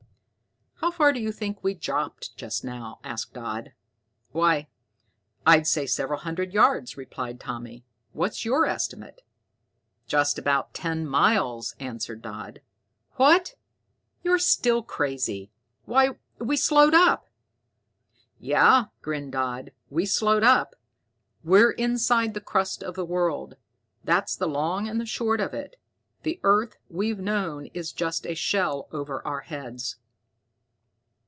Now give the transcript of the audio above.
"How far do you think we dropped just now?" Dodd asked. "Why, I'd say several hundred yards," replied Tommy. "What's your estimate?" "Just about ten miles," answered Dodd. "What? You're still crazy! Why, we slowed up!" "Yeah," grinned Dodd, "we slowed up. We're inside the crust of the world. That's the long and short of it. The earth we've known is just a shell over our heads."